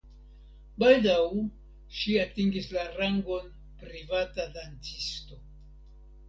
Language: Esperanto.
Baldaŭ ŝi atingis la rangon privata dancisto.